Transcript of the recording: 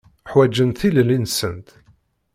Ḥwaǧent tilelli-nsent.